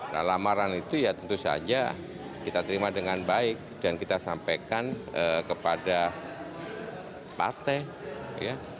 nah lamaran itu ya tentu saja kita terima dengan baik dan kita sampaikan kepada partai ya